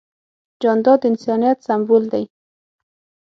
جانداد د انسانیت سمبول دی.